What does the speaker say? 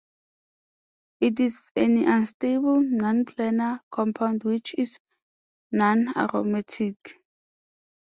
It is an unstable, non-planar compound which is non-aromatic.